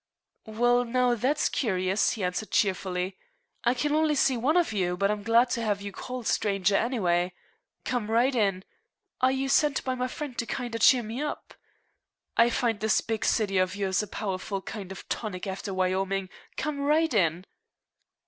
"Well, now, that's curious," he answered cheerfully. "I can only see one of you, but I'm glad to have you call, stranger, anyway. Come right in. Are you sent by my friend to kinder cheer me up? I find this big city of yours a powerful kind of tonic after Wyoming. Come right in."